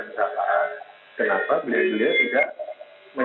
yang sangat keputusan